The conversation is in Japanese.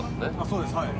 そうですはい。